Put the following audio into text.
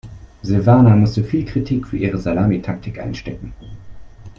Silvana musste viel Kritik für ihre Salamitaktik einstecken.